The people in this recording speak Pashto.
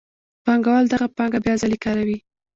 پانګوال دغه پانګه بیا ځلي کاروي